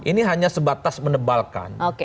ini hanya sebatas menebalkan